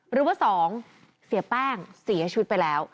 หรือว่า๒เสียแป้งเสียชีวิตไปแล้ว